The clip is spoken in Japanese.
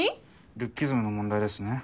ルッキズムの問題ですね。